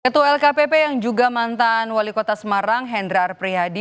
ketua lkpp yang juga mantan wali kota semarang hendrar prihadi